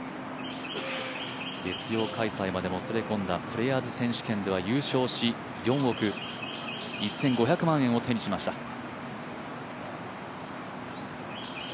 月曜開催までもつれ込んだプレーヤーズ選手権では優勝し４億１５００万円を手にしました。